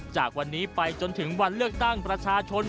จากวันนี้ไปจนถึงวันเลือกตั้งประชาชน